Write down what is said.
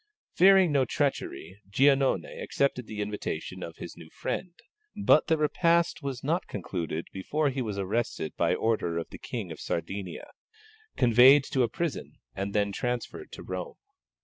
Fearing no treachery, Giannone accepted the invitation of his new friend, but the repast was not concluded before he was arrested by order of the King of Sardinia, conveyed to a prison, and then transferred to Rome.